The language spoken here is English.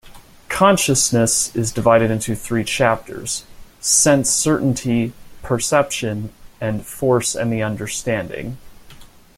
"Consciousness" is divided into three chapters: "Sense-Certainty", "Perception", and "Force and the Understanding.